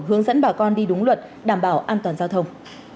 hướng dẫn bà con đi đúng luật đảm bảo an toàn giao thông